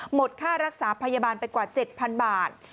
หมดค่ารักษาพยาบาลไปกว่า๗๐๐บาท